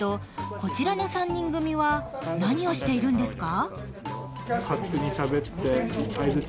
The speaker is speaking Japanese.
こちらの３人組は何をしているんですか？